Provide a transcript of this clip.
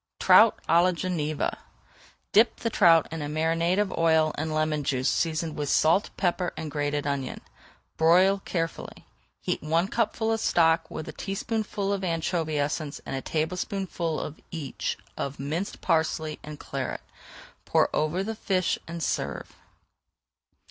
TROUT À LA GENEVA Dip the trout in a marinade of oil and lemon juice seasoned with salt, pepper, and grated onion. Broil carefully. Heat one cupful [Page 423] of stock with a teaspoonful of anchovy essence and a tablespoonful each of minced parsley and Claret. Pour over the fish and serve.